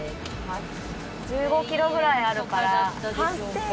１５ｋｍくらいあるから。